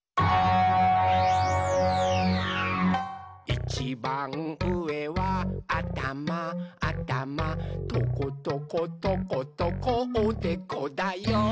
「いちばんうえはあたまあたまトコトコトコトコおでこだよ！」